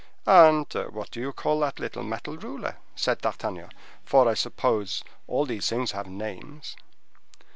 "And what do you call that little metal ruler?" said D'Artagnan, "for, I suppose, all these things have names."